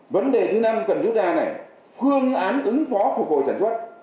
vấn đề thứ năm cần rút ra là phương án ứng phó phục hồi sản xuất